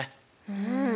うん。